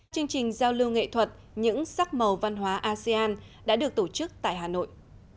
chương trình giao lưu nghệ thuật những sắc màu văn hóa asean đã được tổ chức tại hà nội